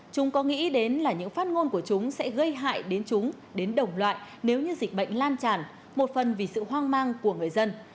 chúng có nghĩ đến là những phát ngôn của chúng sẽ gây hại đến chúng đến đồng loại nếu như dịch bệnh lan tràn một phần vì sự hoang mang của người dân